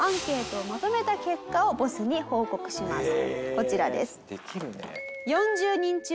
こちらです。